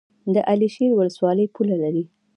د علي شیر ولسوالۍ پوله لري